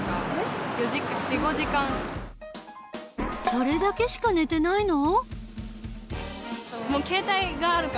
それだけしか寝てないの？